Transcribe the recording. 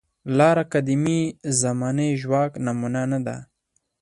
لاره قدیمې زمانې ژواک نمونه نه ده.